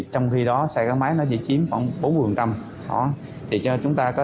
trong khi đó xe máy nó chỉ chiếm khoảng bốn mươi